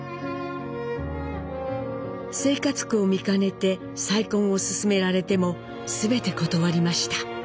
生活苦を見かねて再婚を勧められても全て断りました。